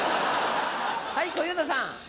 はい小遊三さん。